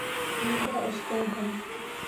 Һин дә эштәйһең.